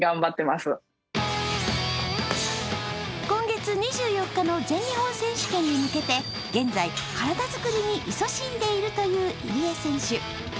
今月２４日の全日本選手権に向けて現在、体作りに勤しんでいるという入江選手。